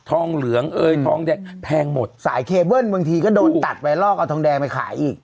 เหลืองเอ่ยทองแดงแพงหมดสายเคเบิ้ลบางทีก็โดนตัดไปลอกเอาทองแดงไปขายอีก